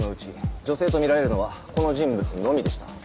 女性とみられるのはこの人物のみでした。